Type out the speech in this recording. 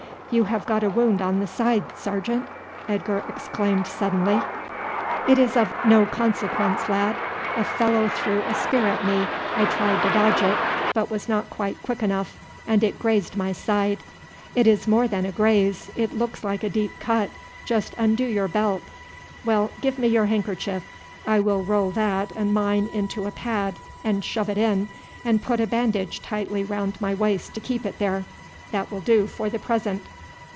"You have got a wound on the side, sergeant!" Edgar exclaimed suddenly. "It is of no consequence, lad. A fellow threw a spear at me. I tried to dodge it, but was not quite quick enough, and it has grazed my side." "It is more than a graze it looks like a deep cut. Just undo your belt." "Well, give me your handkerchief. I will roll that and mine into a pad and shove it in, and put a bandage tightly round my waist to keep it there. That will do for the present.